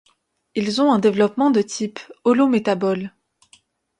Ils ont un développement de type holométabole.